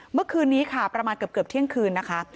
เมื่อคืนนี้ค่ะประมาณเกือบเที่ยงคืนนะคะ